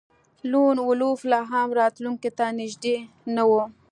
لون وولف لاهم راتلونکي ته نږدې نه و